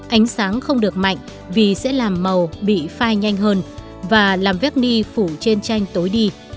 ánh sáng không được mạnh vì sẽ làm màu bị phai nhanh hơn và làm vec ni phủ trên tranh tối đi